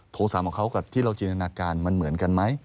สามของเขากับที่เราจินตนาการมันเหมือนกันไหม